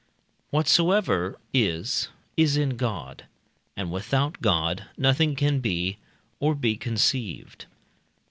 Whatsoever is, is in God, and without God nothing can be, or be conceived.